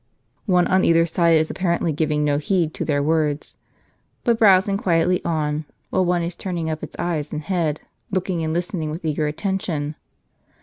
One on either side is apparently giving no heed to their words, but browsing quietly on, while one is turning up its eyes and head, looking and listening with eager attention.